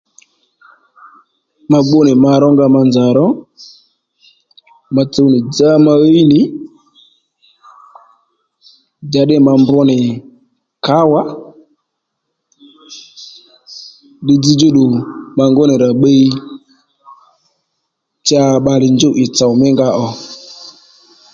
Ma gbú nì ma rónga ma nzà ro ma tsuw nì dzá ma ɦíy nì njàddî ma mbr nì kǎwà fúddiy dzzdjú ddù ma ngú nì rà bbiy cha bbalè njûw ì tsò mí nga ò